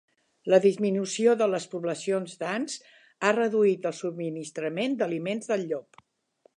La disminució de les poblacions d'ants ha reduït el subministrament d'aliments del llop.